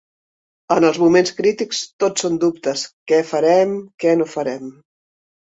En els moments crítics, tot són dubtes: què farem, què no farem...